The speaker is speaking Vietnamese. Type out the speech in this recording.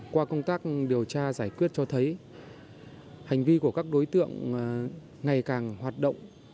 qua công tác điều tra giải quyết cho thấy hành vi của các đối tượng ngày càng hoạt động